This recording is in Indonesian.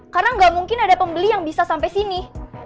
karena gak mungkin ada pembeli yang bisa sampai sini